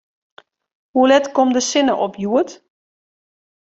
Hoe let komt de sinne op hjoed?